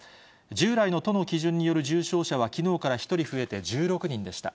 従来の都の基準による重症者はきのうから１人増えて１６人でした。